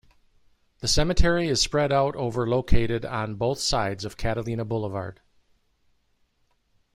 The cemetery is spread out over located on both sides of Catalina Blvd.